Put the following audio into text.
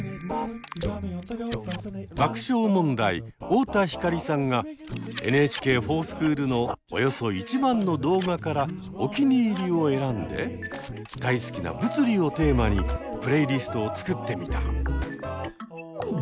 爆笑問題太田光さんが「ＮＨＫｆｏｒＳｃｈｏｏｌ」のおよそ１万の動画からおきにいりを選んで大好きな「物理」をテーマにプレイリストを作ってみた。